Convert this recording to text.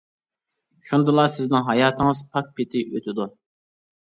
شۇندىلا سىزنىڭ ھاياتىڭىز پاك پېتى ئۆتىدۇ.